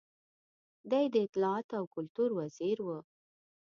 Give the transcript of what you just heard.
دی د اطلاعاتو او کلتور وزیر و.